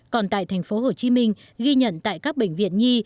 còn tại tp hcm ghi nhận tại các bệnh viện nhi